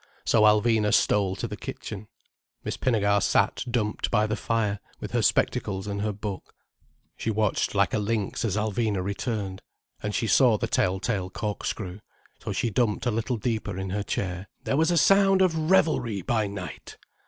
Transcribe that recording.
So Alvina stole to the kitchen. Miss Pinnegar sat dumped by the fire, with her spectacles and her book. She watched like a lynx as Alvina returned. And she saw the tell tale corkscrew. So she dumped a little deeper in her chair. "There was a sound of revelry by night!"